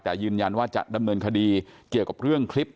แต่ยืนยันว่าจะดำเนินคดีเกี่ยวกับเรื่องคลิป